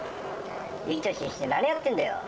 いい年して何やってんだよ！